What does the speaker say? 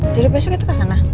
jadi besok kita kesana